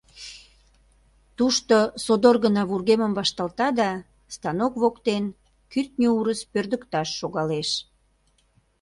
Тушто, содор гына вургемым вашталта да, станок воктен кӱртньӧ урыс пӧрдыкташ шогалеш.